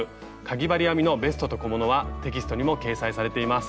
かぎ針編みのベストと小物」はテキストにも掲載されています。